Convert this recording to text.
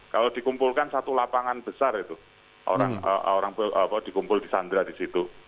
kalau dikumpulkan satu lapangan besar itu orang dikumpul di sandra di situ